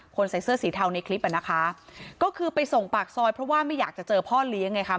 ใส่เสื้อสีเทาในคลิปอ่ะนะคะก็คือไปส่งปากซอยเพราะว่าไม่อยากจะเจอพ่อเลี้ยงไงค่ะ